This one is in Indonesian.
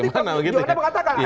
nah tadi johana mengatakan